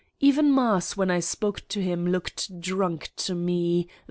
Even Mars, when I spoke to him, looked drunk to me